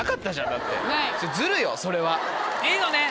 ズルよそれは。いいのね？